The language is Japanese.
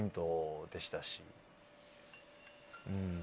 でしたし。